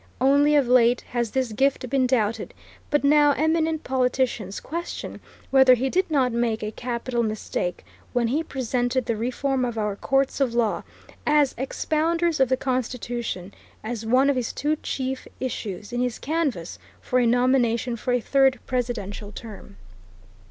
Only of late has this gift been doubted, but now eminent politicians question whether he did not make a capital mistake when he presented the reform of our courts of law, as expounders of the Constitution, as one of his two chief issues, in his canvass for a nomination for a third presidential term.